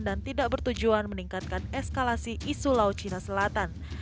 dan tidak bertujuan meningkatkan eskalasi isu laut cina selatan